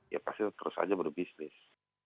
ya pasti terus saja berbisnis